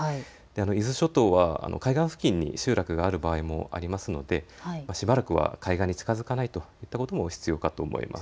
伊豆諸島は海岸付近に集落がある場合もありますのでしばらくは海岸に近づかないということも必要かと思います。